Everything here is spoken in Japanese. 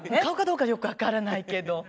顔かどうかよくわからないけど。